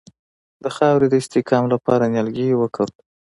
د خاورې د استحکام لپاره نیالګي وکرو.